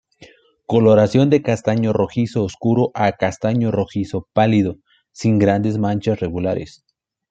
Coloración de castaño rojizo oscuro a castaño rojizo pálido, sin grandes manchas regulares.